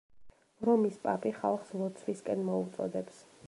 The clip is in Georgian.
რომის პაპი ხალხს ლოცვისკენ მოუწოდებს.